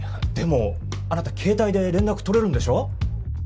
でもあなた携帯で連絡取れるんでしょ？